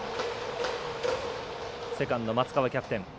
セカンド松川キャプテン。